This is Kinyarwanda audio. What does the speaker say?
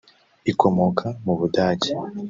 ikomoka mu Budage